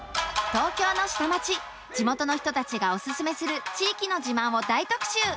東京の下町地元の人たちがおすすめする地域の自慢を大特集！